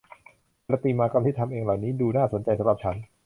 ประติมากรรมที่ทำเองเหล่านี้ดูน่าสนใจสำหรับฉัน